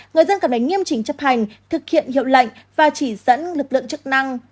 người dân cần phải nghiêm trình chấp hành thực hiện hiệu lệnh và chỉ dẫn lực lượng chức năng